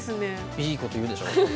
いいこと言うでしょ？